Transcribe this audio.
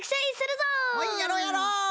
ほいやろうやろう！